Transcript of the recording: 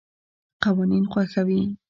قوانین خوښوي.